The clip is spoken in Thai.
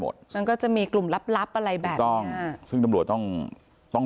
มันก็จะมีกลุ่มลับลับอะไรแบบถูกต้องซึ่งตำรวจต้องต้อง